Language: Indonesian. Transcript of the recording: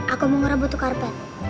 aku mau ngerebut tukar pet